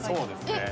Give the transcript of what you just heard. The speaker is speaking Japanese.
えっ